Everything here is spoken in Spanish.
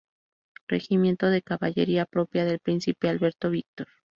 Regimiento de Caballería Propia del Príncipe Alberto Víctor.